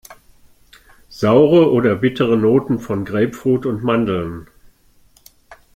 Saure oder bittere Noten von Grapefruit und Mandeln.